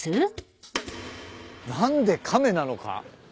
何で亀なのか？